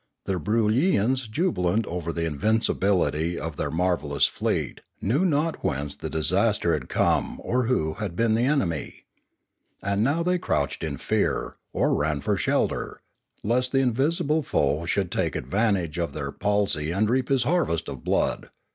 The Broolyians, jubilant over the invincibility of their marvellous fleet, knew not whence the disaster had come or who had been the euemy. And they now crouched in fear, or ran for shelter, lest the invisible foe should take advantage Another Threat 499 of their palsy and reap his harvest of blood.